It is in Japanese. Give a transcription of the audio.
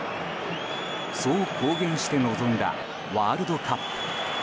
そう公言して臨んだワールドカップ。